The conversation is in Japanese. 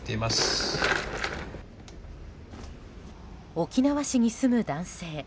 沖縄市に住む男性。